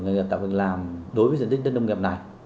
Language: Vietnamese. nghề nghiệp tạo lực làm đối với diện tích đất nông nghiệp này